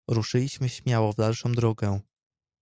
"Ruszyliśmy śmiało w dalszą drogę."